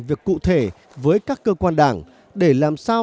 vì vậy chúng tôi đối xử